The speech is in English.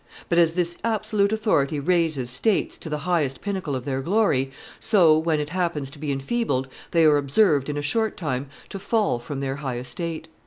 But as this absolute authority raises states to the highest pinnacle of their glory, so, when it happens to be enfeebled, they are observed, in a short time, to fall from their high estate.